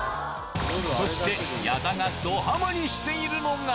そして矢田がドはまりしているのが。